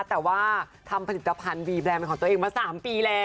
แต่ว่าทำผลิตภัณฑ์วีแบรนด์เป็นของตัวเองมา๓ปีแล้ว